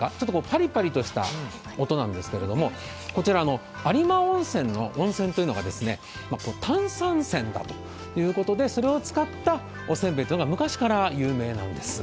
パリパリとした音なんですが有馬温泉の温泉というのが炭酸泉だということで、それを使ったおせんべいというのは昔から有名なんです。